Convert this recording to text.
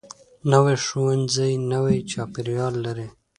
نوی ښوونځی نوی چاپیریال لري